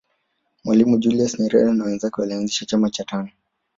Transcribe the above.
mwalimu julius nyerere na wenzake walianzisha chama cha tanu